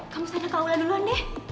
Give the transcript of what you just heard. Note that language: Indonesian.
kamu sadar ke allah duluan deh